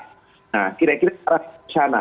nah kira kira sana